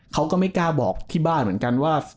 เขาก็ไม่กล้าบอกที่บ้านเหมือนกันว่า